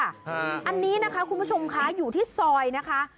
อันนี้นะคะคุณผู้ชมคะอยู่ที่ซอยนะคะ